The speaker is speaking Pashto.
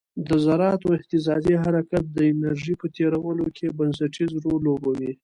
د ذراتو اهتزازي حرکت د انرژي په تیرولو کې بنسټیز رول لوبوي.